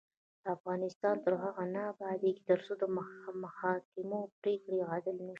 افغانستان تر هغو نه ابادیږي، ترڅو د محاکمو پریکړې عادلانه نشي.